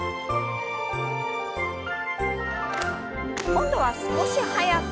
今度は少し速く。